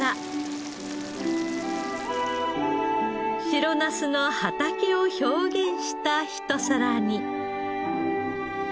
白ナスの畑を表現した一皿に。